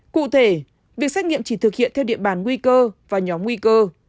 cụ thể việc xét nghiệm chỉ thực hiện theo địa bàn nguy cơ và nhóm nguy cơ